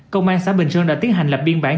công an xã bình sơn đã tiến hành lập biên bản